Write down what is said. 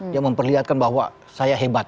yang memperlihatkan bahwa saya hebat